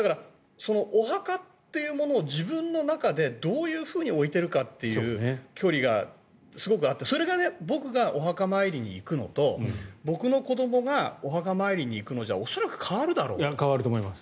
お墓っていうものを自分の中でどう置いているかっていう距離がすごくあってそれが僕がお墓参りに行くのと僕の子どもがお墓参りに行くのでは変わると思います。